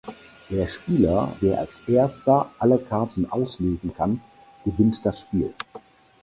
Der Spieler, der als Erster alle Karten auslegen kann, gewinnt das Spiel.